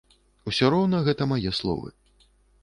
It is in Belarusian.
Усё роўна гэта мае словы.